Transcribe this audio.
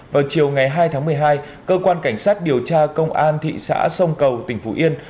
vào chiều ngày hai tháng một mươi hai cơ quan cảnh sát điều tra công an thị xã sông cầu tỉnh phú yên